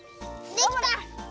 できた！